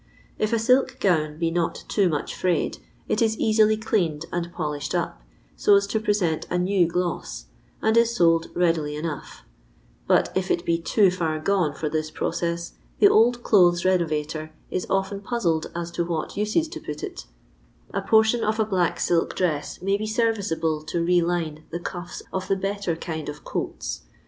If a silk gown be not too much frayed, it is easily cleaned and polished up, so as to present a new gloss, and is sold readily enough ,• but if it be too hx gone for this process, the old clothes renovator is often puzzled as to what uses to put it A portion of a black silk dress may be serviceable to re line the cuffs of the better kind of coats.